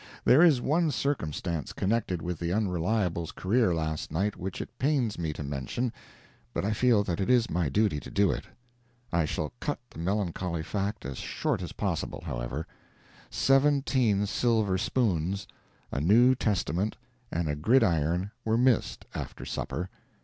There is one circumstance connected with the Unreliable's career last night which it pains me to mention, but I feel that it is my duty to do it. I shall cut the melancholy fact as short as possible, however: seventeen silver spoons, a New Testament and a gridiron were missed after supper.